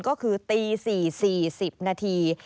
ก็คือตี๔๔๐นาที